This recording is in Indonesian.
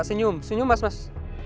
senyum senyum mas